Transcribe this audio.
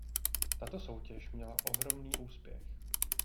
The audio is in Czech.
Tato soutěž měla ohromný úspěch.